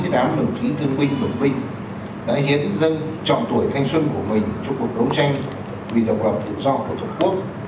chín mươi tám đồng chí thương binh đồng binh đã hiện dân trọng tuổi thanh xuân của mình trong cuộc đấu tranh vì độc lập tự do của tổng quốc